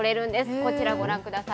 こちらご覧ください。